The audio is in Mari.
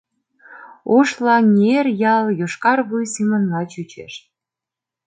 Ошлаҥер ял йошкар вуй Семонла чучеш.